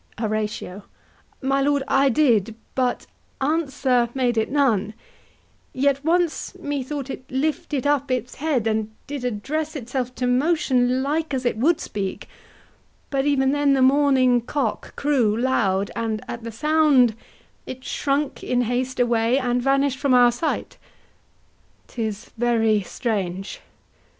HORATIO. My lord, I did; But answer made it none: yet once methought It lifted up it head, and did address Itself to motion, like as it would speak. But even then the morning cock crew loud, And at the sound it shrunk in haste away, And vanish'd from our sight. HAMLET. 'Tis very strange. HORATIO.